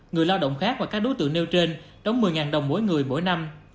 người lao động khác và các đối tượng nêu trên đóng một mươi đồng mỗi người mỗi năm